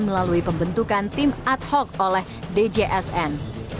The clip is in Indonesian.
melalui pembentukan tim ad hoc oleh djsn